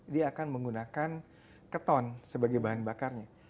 dia akan menggunakan keton sebagai bahan bakarnya